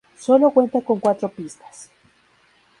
Solo cuenta con cuatro pistas.